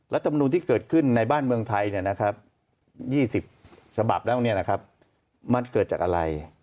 รัฐมนุนที่เกิดขึ้นในบ้านเมืองไทย๒๐ฉบับแล้วมันเกิดจากอะไร